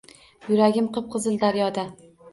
Yuragim – qip-qizil daryoda